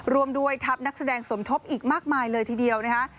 รวมด้วยทัพนักแสดงสมทบอีกมากมายเลยทีเดียวนะคะ